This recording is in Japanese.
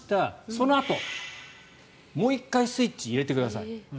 そのあと、もう１回スイッチを入れてください。